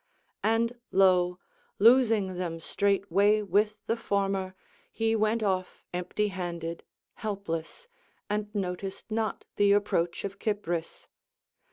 And lo, losing them straightway with the former, he went off empty handed, helpless, and noticed not the approach of Cypris.